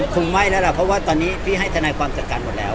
คงไม่แล้วล่ะเพราะว่าตอนนี้พี่ให้ทนายความจัดการหมดแล้ว